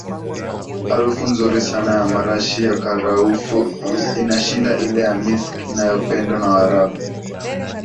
Harufu nzuuri sana ya marashi ya karafuu inashinda ile ya Misk inayopendwa na Waarabu